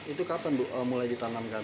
itu kapan mulai ditanamkan